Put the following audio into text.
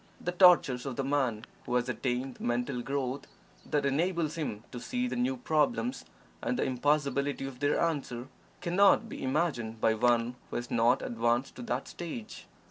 The tortures of the man who has attained the mental growth that enables him to see the new problems and the impossibility of their answer, cannot be imagined by one who has not advanced to that stage.